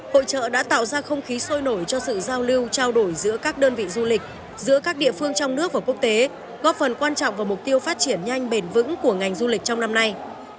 hội trợ đã tạo ra không khí sôi nổi cho sự giao lưu trao đổi giữa các đơn vị du lịch giữa các địa phương trong nước và quốc tế góp phần quan trọng vào mục tiêu phát triển nhanh bền vững của ngành du lịch trong năm nay